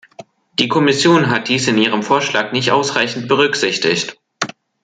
Die Kommission hat dies in ihrem Vorschlag nicht ausreichend berücksichtigt!